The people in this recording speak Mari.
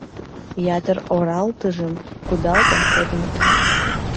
Ятыр оралтыжым кудалтен коденыт.